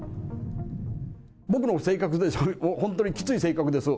僕の性格、本当にきつい性格です。